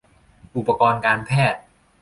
อุปกรณ์การแพทย์